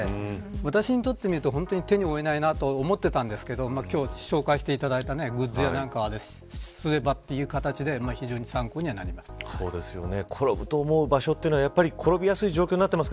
私にとってみると手に負えないなと思っていたんですが今日、紹介していただいたグッズなどを使えばということで転ぶという場所は転びやすい状況になっています。